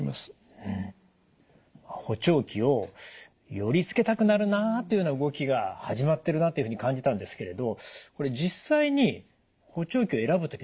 補聴器をよりつけたくなるなというような動きが始まってるなというふうに感じたんですけれどこれ実際に補聴器を選ぶ時の注意点ってありますか？